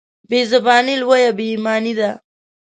بېزباني لويه بېايماني ده.